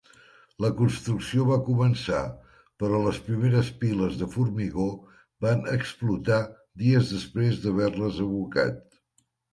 La construcció va començar, però les primeres piles de formigó van explotar dies després d'haver-les abocat.